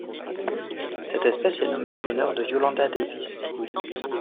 Cette espèce est nommée en l'honneur de Yolanda Davis.